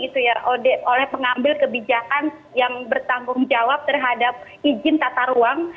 ini sudah diadopsi oleh pengambil kebijakan yang bertanggung jawab terhadap izin tata ruang